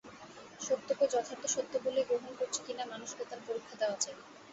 সত্যকে যথার্থ সত্য বলেই গ্রহণ করছি কি না মানুষকে তার পরীক্ষা দেওয়া চাই।